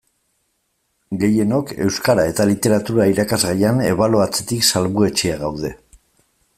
Gehienok Euskara eta Literatura irakasgaian ebaluatzetik salbuetsiak gaude.